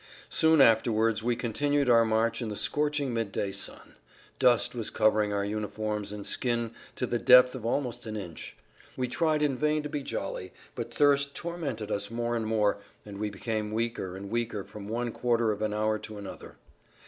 Soon afterwards we continued our march in the scorching midday sun; dust was covering our uniforms and skin to the depth of almost an inch. We tried in vain to be jolly, but thirst tormented us more and more, and we became weaker and weaker from one quarter of an hour to another.